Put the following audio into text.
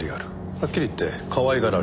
はっきり言ってかわいがられてる。